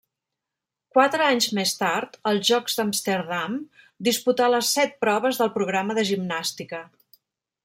Quatre anys més tard, als Jocs d'Amsterdam, disputà les set proves del programa de gimnàstica.